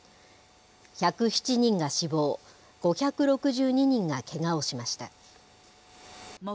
１０７人が死亡、５６２人がけがをしました。